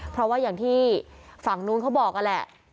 เพราะว่าอย่างที่ฝั่งนู้นเขาบอกนั่นแหละ